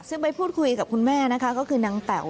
ซึ่งไปพูดคุยกับคุณแม่นะคะก็คือนางแต๋ว